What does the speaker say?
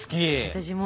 私も！